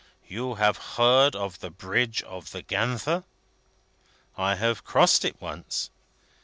You have heard of the Bridge of the Ganther?" "I have crossed it once."